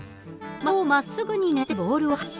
的をまっすぐにねらってボールを発射。